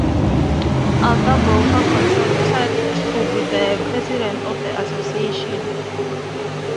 Arthur Balfour consented to be the president of the association.